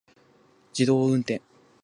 自動運転